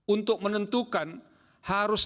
untuk menentukan harus